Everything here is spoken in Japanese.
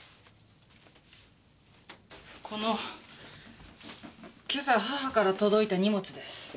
この今朝母から届いた荷物です。